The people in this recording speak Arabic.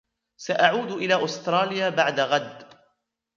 سأعود إلى أستراليا بعد غد.